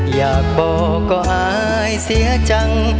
อยากบอกก็อายเสียจัง